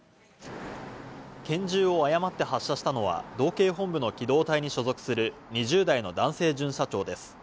拳銃を誤って発射したのは道警本部の機動隊に所属する２０代の男性巡査長です。